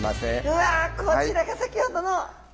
こちらが先ほどの。